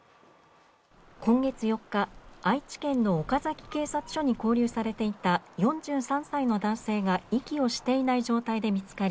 今月４日、愛知県の岡崎警察署に勾留されていた４３歳の男性が息をしていない状態で見つかり